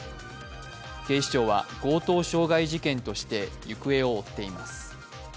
警視庁は強盗傷害事件として行方を追っています。